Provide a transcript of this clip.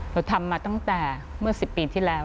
เราทำมาตั้งแต่เมื่อ๑๐ปีที่แล้ว